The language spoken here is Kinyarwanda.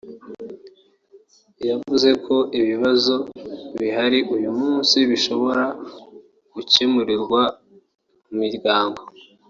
yavuze ko ibibazo bihari uyu munsi bishobora gukemurirwa mu miryango